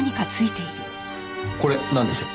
これなんでしょう？